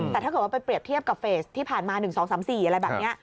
แต่ถ้าเกิดว่าไปเปรียบเทียบกับเฟสที่ผ่านมา๑๒๓๔อะไรแบบนี้